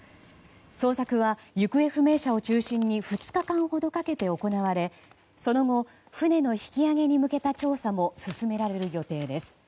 捜索は行方不明者を中心に２日間ほどかけて行われその後船の引き上げに向けた調査も進められる予定です。